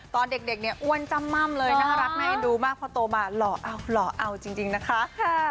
ตอนเด็กเนี่ยอ้วนจ้ำม่ำเลยน่ารักน่าเอ็นดูมากพอโตมาหล่อเอาหล่อเอาจริงนะคะ